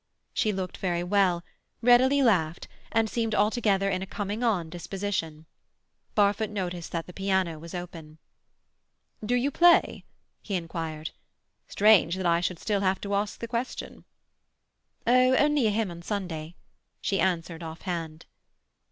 She looked very well, readily laughed, and seemed altogether in a coming on disposition. Barfoot noticed that the piano was open. "Do you play?" he inquired. "Strange that I should still have to ask the question." "Oh, only a hymn on Sunday," she answered off hand.